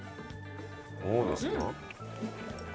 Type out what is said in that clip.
どうですか？